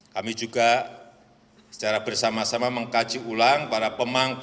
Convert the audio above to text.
kami juga secara bersama sama mengkaji ulang para pemangku